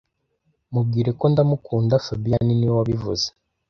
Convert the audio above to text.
Mubwire ko ndamukunda fabien niwe wabivuze